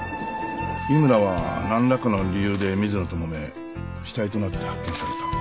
井村はなんらかの理由で水野ともめ死体となって発見された。